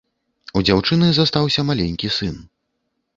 У дзяўчыны застаўся маленькі сын.